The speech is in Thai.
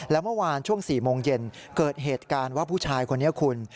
แล้วเมื่อวานช่วง๔โมงเย็นเกิดเหตุการณ์ว่าผู้ชายคนนี้คุณ